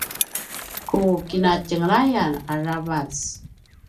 ku kinatjenglayan aravac